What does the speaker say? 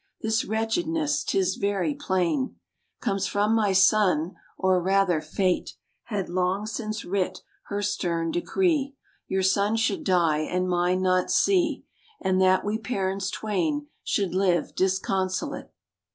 This wretchedness, 'tis very plain, Comes from my son; or, rather, Fate Had long since writ her stern decree, Your son should die, and mine not see, And that we parents twain should live disconsolate."